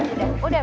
udah bu itu aja